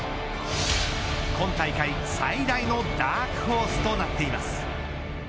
今大会、最大のダークホースとなっています。